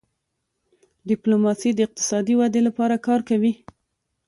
ډيپلوماسي د اقتصادي ودې لپاره کار کوي.